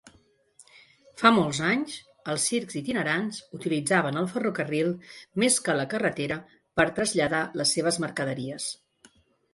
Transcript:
Fa molts anys, els circs itinerants utilitzaven el ferrocarril més que la carretera per traslladar les seves mercaderies.